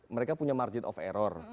mereka punya margin of error